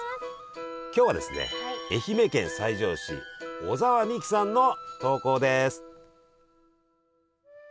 今日はですね愛媛県西条市小澤未樹さんの投稿です。